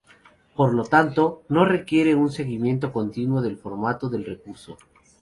Por lo tanto, no requiere un seguimiento continuo del formato del recurso.